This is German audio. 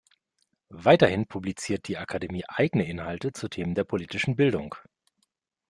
Weiterhin publiziert die Akademie eigene Inhalte zu Themen der politischen Bildung.